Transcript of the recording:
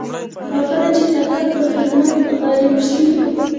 او کله چي طاقت په حکمت غالب سي